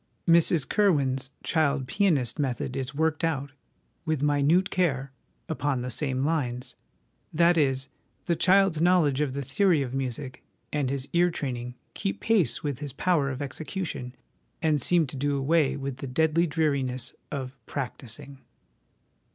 Mrs Curwen's Child Pianist^ method is worked out, with minute care, upon the same lines ; that is, the child's knowledge of the theory of music and his ear training keep pace with his power of execution, and seem to do away with the deadly dreariness of ' practising.'